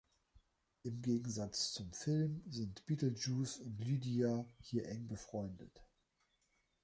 Im Gegensatz zum Film sind Beetlejuice und Lydia hier eng befreundet.